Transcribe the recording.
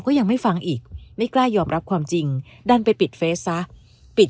ก็ยังไม่ฟังอีกไม่กล้ายอมรับความจริงดันไปปิดเฟสซะปิด